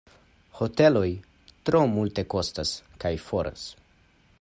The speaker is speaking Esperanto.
Hoteloj tro multekostas kaj foras.